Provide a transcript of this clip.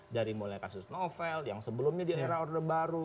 dari mulai kasus novel yang sebelumnya di era order baru